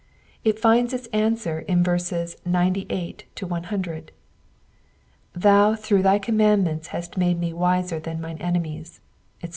*' It finds its answer in verses 98 — 100 :'' Thou through thy commandments hast made me wiser than mine enemies," etc.